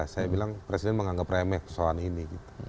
saya bilang presiden menganggap remeh persoalan ini